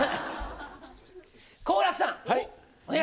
好楽さん。